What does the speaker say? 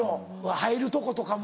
入るとことかも。